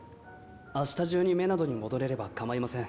明日中にメナドに戻れればかまいません。